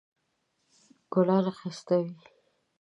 ګلان ښایسته وي